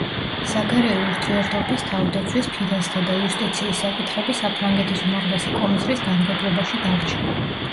საგარეო ურთიერთობის, თავდაცვის, ფინანსთა და იუსტიციის საკითხები საფრანგეთის უმაღლესი კომისრის გამგებლობაში დარჩა.